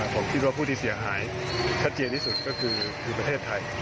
ของที่เราพูดที่เสียหายทัดเจนที่สุดก็คือประเทศไทย